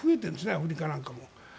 アフリカなんかも。